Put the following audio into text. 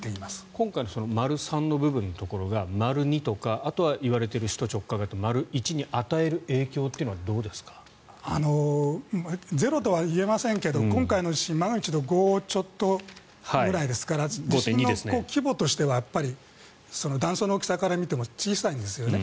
今回の丸３の部分が丸２とかあと、いわれている首都直下型ゼロとは言えませんけど今回の地震マグニチュード５ちょっとぐらいですから地震の規模としては断層の大きさから見ても小さいんですよね。